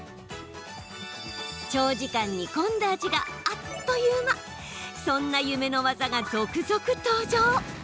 長時間煮込んだ味があっという間そんな夢の技が続々登場。